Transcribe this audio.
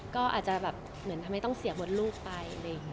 ก็อาจจะแบบเหมือนทำให้ต้องเสี่ยงบนลูกไป